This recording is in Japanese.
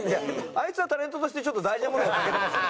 あいつはタレントとしてちょっと大事なものが欠けてますよ。